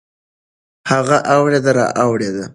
هغه اوړېده رااوړېده.